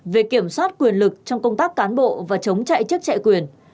về kiểm soát quyền lực trong công tác cán bộ và chống chạy chức chạy quyền